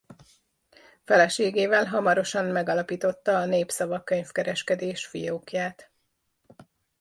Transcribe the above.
Feleségével hamarosan megalapította a Népszava Könyvkereskedés fiókját.